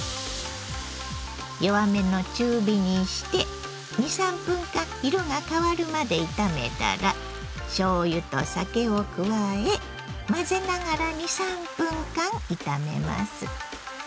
弱めの中火にして２３分間色が変わるまで炒めたらしょうゆと酒を加え混ぜながら２３分間炒めます。